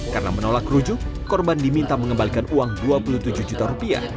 karena menolak rujuk korban diminta mengembalikan uang dua puluh tujuh juta rupiah